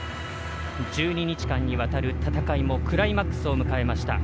１２日間にわたる戦いもクライマックスを迎えました。